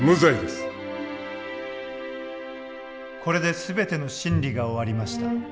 これで全ての審理が終わりました。